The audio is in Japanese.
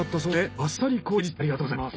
ありがとうございます。